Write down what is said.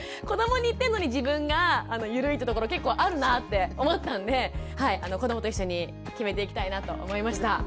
子どもに言ってるのに自分が緩いってところ結構あるなって思ったんで子どもと一緒に決めていきたいなと思いました。